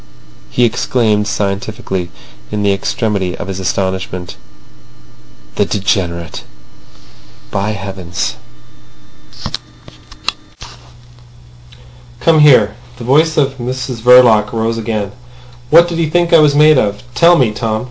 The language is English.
He exclaimed scientifically, in the extremity of his astonishment: "The degenerate—by heavens!" "Come here." The voice of Mrs Verloc rose again. "What did he think I was made of? Tell me, Tom.